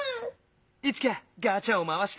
イチカガチャをまわして。